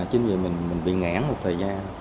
chính vì vậy mình bị ngân hàng nhà nước không có tiền để mua